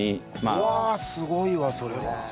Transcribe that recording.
うわすごいわそれは。